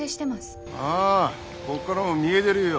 ああこっからも見えでるよ。